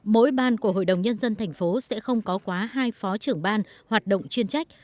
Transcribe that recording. mỗi ban của hội đồng nhân dân thành phố sẽ không có quá hai phó trưởng ban hoạt động chuyên trách